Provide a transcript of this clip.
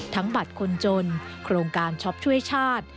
บัตรคนจนโครงการช็อปช่วยชาติ